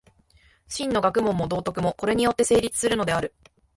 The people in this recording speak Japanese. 真の学問も道徳も、これによって成立するのである。